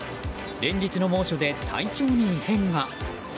連日の猛暑で体調に異変が。